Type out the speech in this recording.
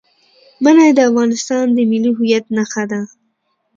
منی د افغانستان د ملي هویت نښه ده.